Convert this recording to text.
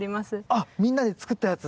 あっみんなで作ったやつ。